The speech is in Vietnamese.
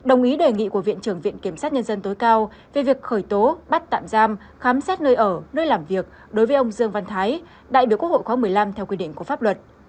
ông dương văn thái lần lượt tạm giam khám xét nơi ở nơi làm việc đối với ông dương văn thái đại biểu quốc hội khóa một mươi năm theo quy định của pháp luật